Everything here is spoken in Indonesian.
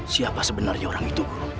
siapa sebenarnya orang itu